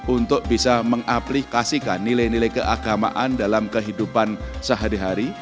untuk bisa mengaplikasikan nilai nilai keagamaan dalam kehidupan sehari hari